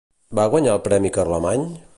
Va guanyar el premi Carlemany?